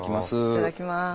いただきます。